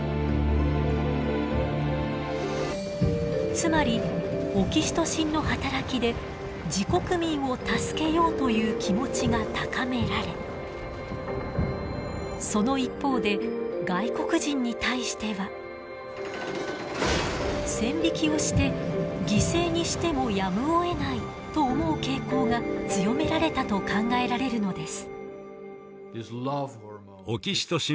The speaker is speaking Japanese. つまりオキシトシンの働きで自国民を助けようという気持ちが高められその一方で外国人に対しては線引きをして犠牲にしてもやむをえないと思う傾向が強められたと考えられるのです。